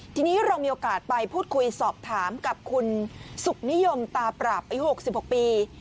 ทีนี้เรามีโอกาสไปพูดคุยสอบถามกับคุณสุขนิยมตาปราบอายุ๖๖ปี